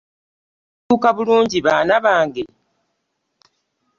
Mwatuuka bulungi baana bange?